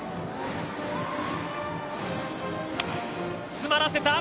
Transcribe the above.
詰まらせた。